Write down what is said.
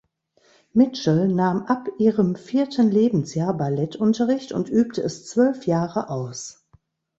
Mitchell nahm ab ihrem vierten Lebensjahr Ballettunterricht und übte es zwölf Jahre aus.